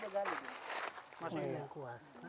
masukin yang kuas